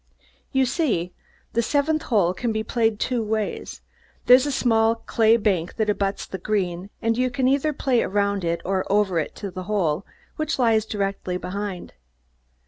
You see, the seventh hole can be played two ways. There's a small clay bank that abuts the green and you can either play around or over it to the hole, which lies directly behind.